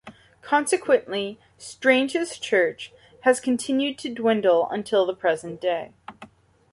Consequently, Strang's church has continued to dwindle until the present day.